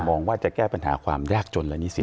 มองว่าจะแก้ปัญหาความยากจนและนิสิท